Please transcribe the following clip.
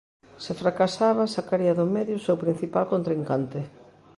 Se fracasaba, sacaría do medio o seu principal contrincante.